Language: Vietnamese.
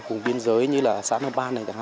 vùng biên giới như là sản hợp ban này